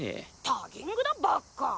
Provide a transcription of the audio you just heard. タギングだバッカ。